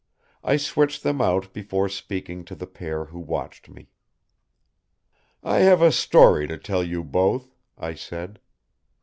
I switched them out before speaking to the pair who watched me. "I have a story to tell you both," I said.